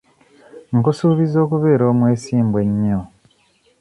Nkusuubiza okubeera omwesimbu ennyo.